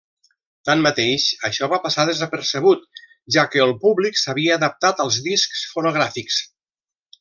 Tanmateix, això va passar desapercebut, ja que el públic s'havia adaptat als discs fonogràfics.